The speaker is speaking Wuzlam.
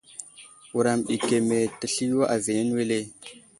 Wuram ɗi keme təsliyo aviyene wele.